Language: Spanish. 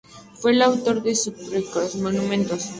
Fue el autor de sepulcros y monumentos.